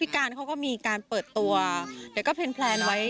การเขาก็มีการเปิดตัวเดี๋ยวก็แพลนไว้